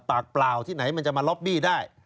เปล่าที่ไหนมันจะมาล็อบบี้ได้